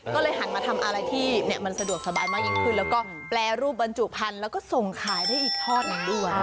ก็เลยหันมาทำอะไรที่มันสะดวกสบายมากยิ่งขึ้นแล้วก็แปรรูปบรรจุพันธุ์แล้วก็ส่งขายได้อีกทอดหนึ่งด้วย